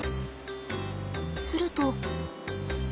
すると。